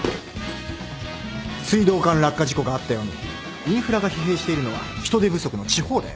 水道管落下事故があったようにインフラが疲弊しているのは人手不足の地方だよ。